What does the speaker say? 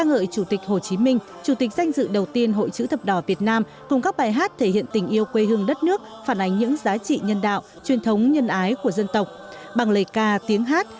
hội thi tiếng hát chữ thập đỏ tp hà nội năm hai nghìn một mươi chín đã được tổ chức